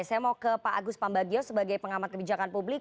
saya mau ke pak agus pambagio sebagai pengamat kebijakan publik